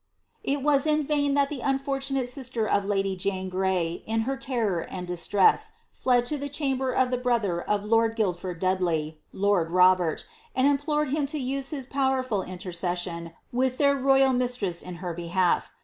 ^' it was in vain that the unfortunate sister of lady Jane Gray* in her terror and distress, fled to the chamber of the brother of lord Guildford Dudley, lord Robert, and implored him to use his pow erful intercession with their royal mistress in her behalf.